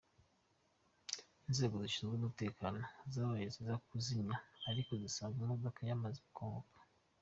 Inzego zishinzwe umutekano zatabaye ziza kuzimya ariko zisanga imodoka yamaze gukongoka.